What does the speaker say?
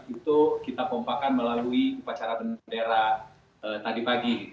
itu kita pompakan melalui upacara bendera tadi pagi